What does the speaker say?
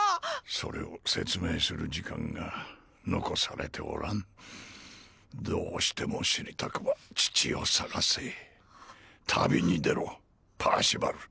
それを説明する時間が残されておらんどうしても知りたくば父を捜せ旅に出ろパーシバル